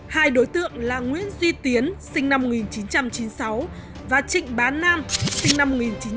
hai đối tượng là nguyễn duy tiến sinh năm một nghìn chín trăm chín mươi sáu và trịnh bán nam sinh năm một nghìn chín trăm chín mươi tám